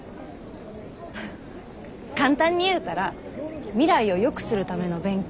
フッ簡単に言うたら未来をよくするための勉強かな。